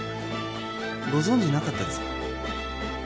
ご存じなかったですか？